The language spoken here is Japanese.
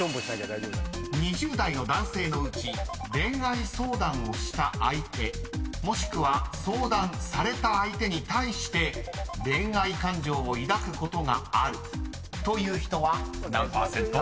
［２０代の男性のうち恋愛相談をした相手もしくは相談された相手に対して恋愛感情を抱くことがあるという人は何％？］